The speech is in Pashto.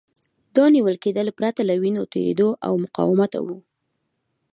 دا نیول کېدل پرته له وینو توېیدو او مقاومته وو.